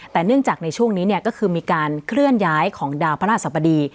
แต่เนื่องจากในช่วงนี้ก็คือมีการเคลื่อนย้ายของดาวพระราชสบดี